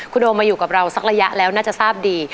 คุณโอมาอยู่กับเราสักระยะแล้วน่าจะทราบดี